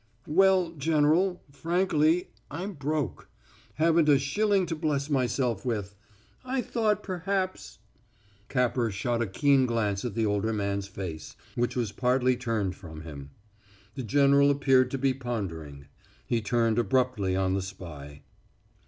"Well, General, frankly I'm broke. Haven't a shilling to bless myself with. I thought perhaps " Capper shot a keen glance at the older man's face, which was partly turned from him. The general appeared to be pondering. He turned abruptly on the spy.